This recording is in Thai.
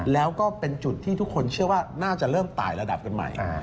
แล้วก็เป็นจุดที่ทุกคนเชื่อว่าน่าจะเริ่มตายระดับกันใหม่